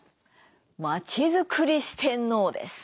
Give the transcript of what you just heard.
町造り四天王です。